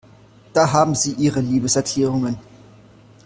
Da haben Sie Ihre Liebeserklärungen.